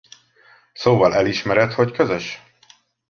Szóval elismered, hogy közös?